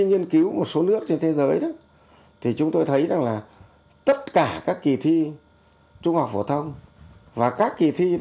nghiên cứu một số nước trên thế giới thì chúng tôi thấy rằng là tất cả các kỳ thi trung học phổ thông và các kỳ thi